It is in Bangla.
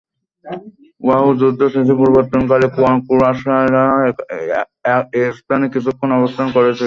উহুদ যুদ্ধ শেষে প্রত্যাবর্তনকালে কুরাইশরা এস্থানে কিছুক্ষণ অবস্থান করেছিল।